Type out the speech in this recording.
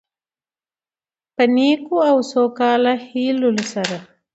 په نیکو او سوکاله هيلو سره،